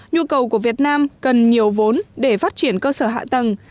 nhu cầu của việt nam cần nhiều vốn để phát triển cơ sở hạ tầng